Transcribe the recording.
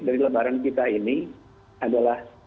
dari lebaran kita ini adalah